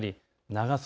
長袖